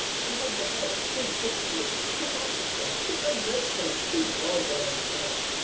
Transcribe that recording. She had behaved too deceitfully, too heartlessly, too ungratefully, too vulgarly for that!